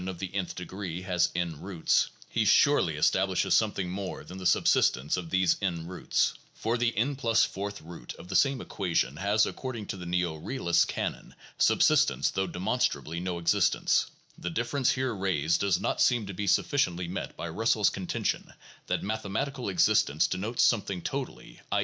200 TEE JOURNAL OF PEILOSOPEY lishes something more than the subsistence of these n roots, for the n + 4th root of the same equation has according to the neo realists canon (Montague, p. 253) subsistence though demonstrably no ex istence. The difficulty here raised does not seem to be sufficiently met by Russell's contention that mathematical existence denotes something totally (i.